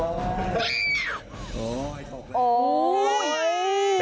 โอ๊ยถกเลย